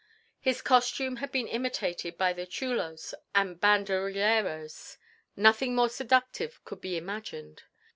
His costume had been imitated by the chulos and banderilleros. Nothing more seductive could be imagined.